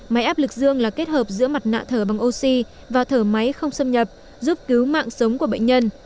máy áp lực dương là kết hợp giữa mặt nạ thở bằng oxy và thở máy không xâm nhập giúp cứu mạng sống của bệnh nhân